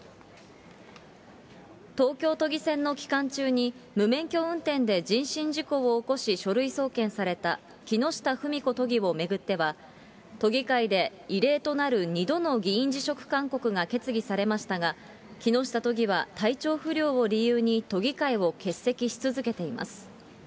東京都議選の期間中に無免許運転で人身事故を起こし、書類送検された、木下富美子都議を巡っては、都議会で異例となる２度の議員辞職勧告が決議されましたが、木下都議は体調不良を理由に、都議会を欠席し続けています。